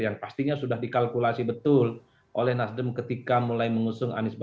yang pastinya sudah dikalkulasi betul oleh nasdem ketika mulai mengusung anies baswedan